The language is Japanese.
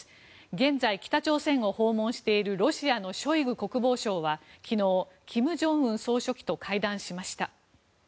現在、北朝鮮を訪問しているロシアのショイグ国防相は昨日、金正恩総書記と会談しました。